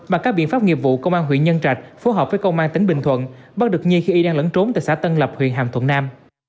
bằng các biện pháp nghiệp vụ công an huyện nhân trạch phối hợp với công an tỉnh bình thuận bắt được nhi khi y đang lẫn trốn tại xã tân lập huyện hàm thuận nam